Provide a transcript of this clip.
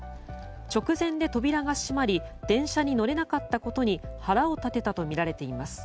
直前で扉が閉まり電車に乗れなかったことに腹を立てたとみられています。